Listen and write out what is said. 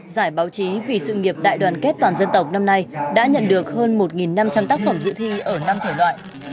giải báo chí vì sự nghiệp đại đoàn kết toàn dân tộc năm nay đã nhận được hơn một năm trăm linh tác phẩm dự thi ở năm thể loại